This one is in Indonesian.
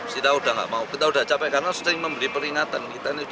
kita sudah tidak mau kita sudah capek karena sering membeli peringatan